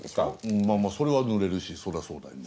まぁそれはぬれるしそりゃそうだよね。